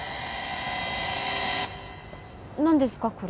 何ですか？